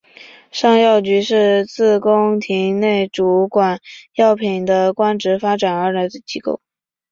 尚药局是自宫廷内主管药品的官职发展而来的机构。